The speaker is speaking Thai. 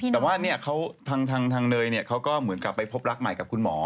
แต่ว่าเนี่ยเขาทางเนยเนี่ยเขาก็เหมือนกับไปพบรักใหม่กับคุณหมอ